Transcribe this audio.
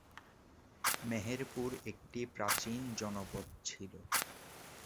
মেহেরপুর একটি প্রাচীন জনপদ ছিল।